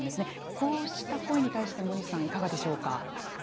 こうした声に対して、森内さん、いかがでしょうか。